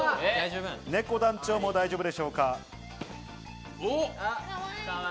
ねこ団長も大丈夫でしょうか？